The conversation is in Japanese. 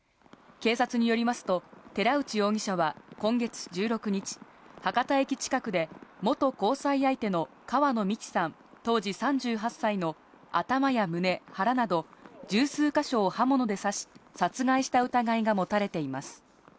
警察によりますと寺内容疑者は今月１６日、博多駅近くで元交際相手の川野美樹さん、当時３８歳の頭や胸、腹など十数か所を刃物で刺し、殺害した疑いが持たれています。